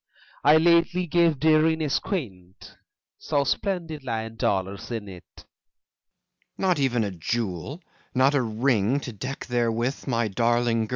I lately gave therein a squint Saw splendid lion dollars in 't. FAUST Not even a jewel, not a ring, To deck therewith my darling girl?